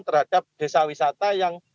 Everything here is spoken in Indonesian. terhadap desa wisata yang